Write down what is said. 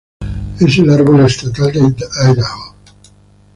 Es el árbol estatal de Idaho.